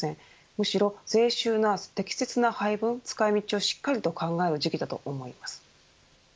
むしろ税収の適切な配分、使い道をしっかりと考える時期だと思います。